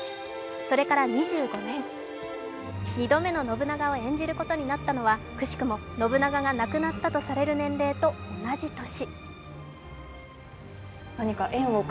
それから２５年、２度目の信長を演じることになったのは、くしくも信長が亡くなったとされる年齢と同じ年。